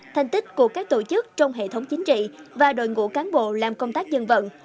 thành tích của các tổ chức trong hệ thống chính trị và đội ngũ cán bộ làm công tác dân vận